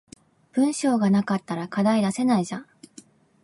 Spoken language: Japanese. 文章が無かったら課題出せないじゃん